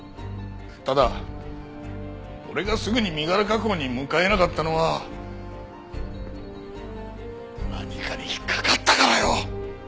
ただ俺がすぐに身柄確保に向かえなかったのは何かに引っかかったからよ。